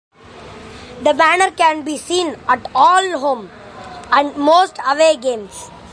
The banner can be seen at all home and most away games.